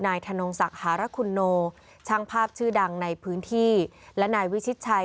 นายธนงศักราคุณโนช่างภาพชื่อดังในพื้นที่